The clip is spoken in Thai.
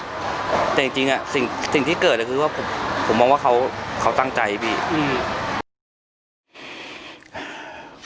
แต่จริงจริงอ่ะสิ่งที่เกิดเลยคือว่าผมมองว่าเขาตั้งใจพี่อืม